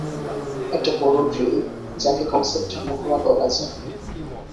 একটা বড় ড্রিল যাকে কনসেপ্টের মহড়া বলা যায়।